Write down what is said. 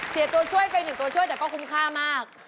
เสียตัวช่วยเป็นหนึ่งตัวช่วยแต่ก็คุ้มค่ามาก